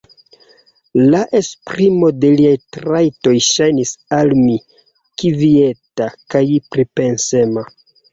La esprimo de liaj trajtoj ŝajnis al mi kvieta kaj pripensema.